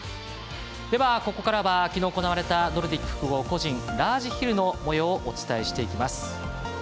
では、ここからは昨日、行われたノルディック複合個人ラージヒルのもようをお伝えしていきます。